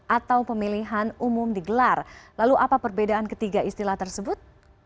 atau pemilihan umum digelar lalu apa perbedaan ketiga istilah tersebut